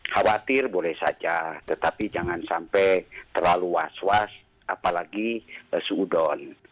khawatir boleh saja tetapi jangan sampai terlalu was was apalagi suudon